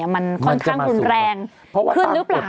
มันค่อนข้างรุนแรงขึ้นหรือเปล่า